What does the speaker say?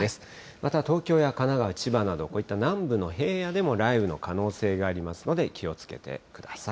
また、東京や神奈川、千葉など、こういった南部の平野でも雷雨の可能性がありますので気をつけてください。